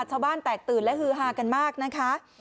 ชาวบ้านแตกตื่นและฮือฮากันมากนะคะ